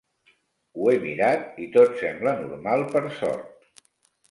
Ho he mirat i tot sembla normal per sort.